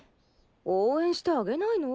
応援してあげないの？